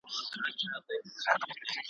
جهاني اوس دي سندري لکه ساندي پر زړه اوري `